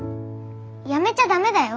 やめちゃダメだよ。